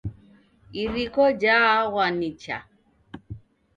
Iriko jaaghwa nicha.